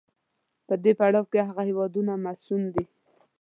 په دې پړاو کې هغه هېوادونه مصون دي.